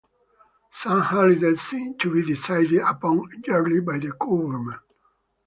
Some holidays seem to be decided upon yearly by the government.